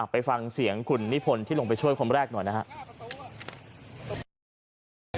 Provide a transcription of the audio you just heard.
ไปฟังเสียงคุณนิพนธ์ที่ลงไปช่วยคนแรกหน่อยนะครับ